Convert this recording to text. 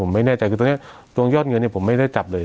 ผมไม่แน่ใจคือตรงเนี้ยตรงยอดเงินเนี้ยผมไม่ได้จับเลย